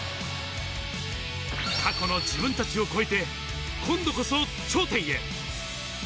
過去の自分たちを超えて、今度こそ頂点へ。